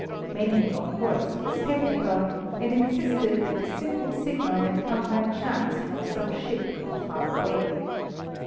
Many, of course, were skeptical, and insisted that the simple signal had come by chance from some ship not far away.